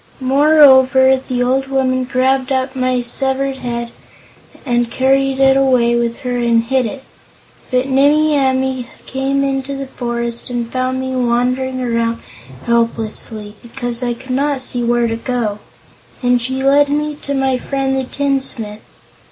Moreover, the old woman grabbed up my severed head and carried it away with her and hid it. But Nimmie Amee came into the forest and found me wandering around helplessly, because I could not see where to go, and she led me to my friend the tinsmith.